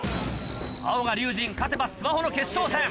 青が龍心勝てばスマホの決勝戦。